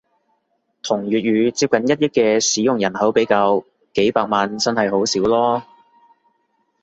同粵語接近一億嘅使用人口比較，幾百萬真係好少囉